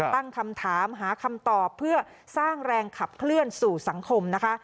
ตั้งคำถามหาคำตอบเพื่อสร้างแรงขับเคลื่อนสู่สังคมนะคะ